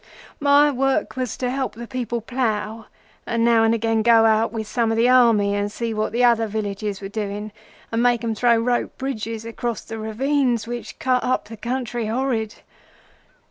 My work was to help the people plough, and now and again to go out with some of the Army and see what the other villages were doing, and make 'em throw rope bridges across the ravines which cut up the country horrid.